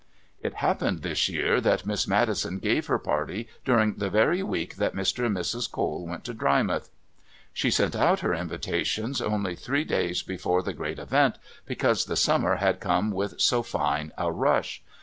It happened this year that Miss Maddison gave her party during the very week that Mr. and Mrs. Cole went to Drymouth. She sent out her invitations only three days before the great event, because the summer had come with so fine a rush.